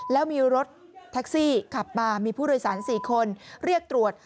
แล้วมีรถแท็กซี่ขับมามีผู้โดยสาร๔คนเรียกตรวจ